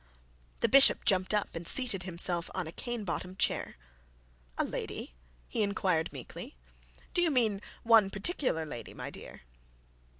The bishop jumped up and seated himself on a cane bottomed chair. 'A lady?' he inquired meekly; 'do you mean one particular lady, my dear?'